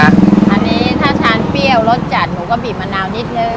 อันนี้ถ้าทานเปรี้ยวรสจัดหนูก็บีบมะนาวนิดนึง